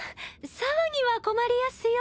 騒ぎは困りやすよ。